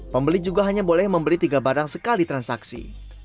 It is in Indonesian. pembeli juga hanya boleh membeli tiga barang sekali transaksi